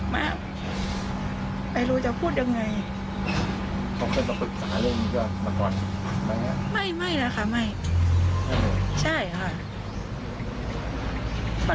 ไม่แล้วค่ะไม่ใช่ค่ะ